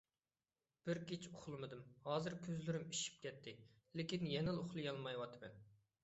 بىر كېچە ئۇخلىمىدىم، ھازىر كۆزلىرىم ئېچىشىپ كەتتى، لېكىن يەنىلا ئۇخلىيالمايۋاتىمەن.